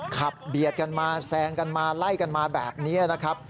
เบียดกันมาแซงกันมาไล่กันมาแบบนี้นะครับ